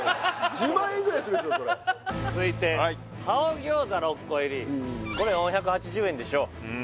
１０万円ぐらいするでしょそれ続いてハオ餃子６個入りこれ４８０円でしょう